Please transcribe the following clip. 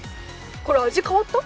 これ味変わった？